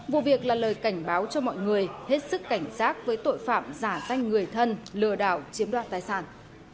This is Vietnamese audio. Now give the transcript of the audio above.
vụ việc là lời cảnh báo cho mọi người hết sức cảnh giác với tội phạm giả danh người thân lừa đảo chiếm đoạt tài sản